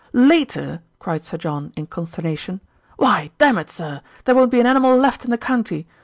"Later!" cried Sir John in consternation. "Why, dammit, sir! there won't be an animal left in the county.